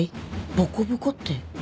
ボコボコって